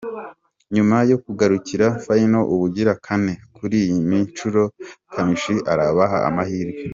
Nyuma yo kugarukira final ubugira kane, kuri iyi nshuro Kamichi arabaha amahirwe.